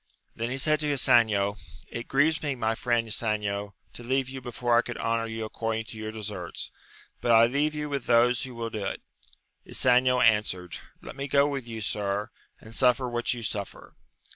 Then he said to Ysanjo, It grieves me, my Mend Ysanjo, to leave you before I could honour you according to your deserts ; but I leave you with those who will do it. Ysanjo answered, let me go with you, sir, and suffer what you suffer.